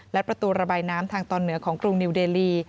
และประตูระบายน้ำทางตอนเหนือของกรุงนิวเดลี